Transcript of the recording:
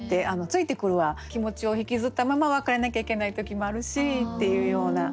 「ついてくる」は気持ちを引きずったまま別れなきゃいけない時もあるしっていうような。